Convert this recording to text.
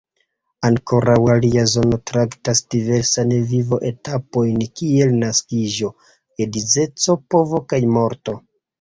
Ankoraŭ alia zono traktas diversajn vivo-etapojn kiel naskiĝo, geedzeco, povo kaj morto.